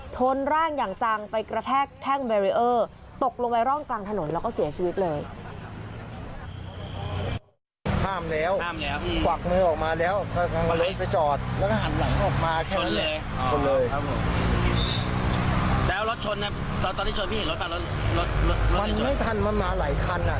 ชนร่างอย่างจังไปกระแทกแท่งแบรีเออร์ตกลงไปร่องกลางถนนแล้วก็เสียชีวิตเลย